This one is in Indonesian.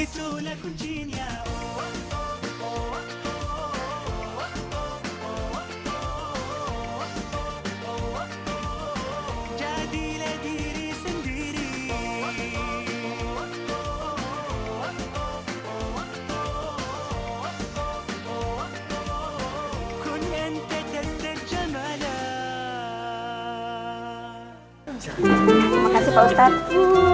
terima kasih pak ustadz